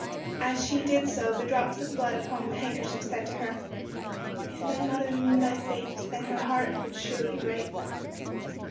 As she did so the drops of blood upon the handkerchief said to her:— "If thy mother knew thy fate Then her heart would surely break."